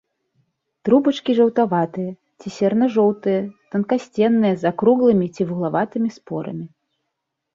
Трубачкі жаўтаватыя ці серна-жоўтыя, танкасценныя, з акруглымі ці вуглаватымі спорамі.